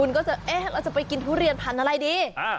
คุณก็จะเอ๊ะเราจะไปกินทุเรียนพันธุ์อะไรดี